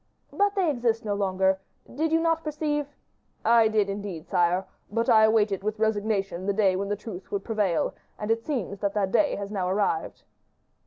"But they exist no longer. Did you not perceive " "I did, indeed, sire; but I awaited with resignation the day when the truth would prevail; and it seems that that day has now arrived."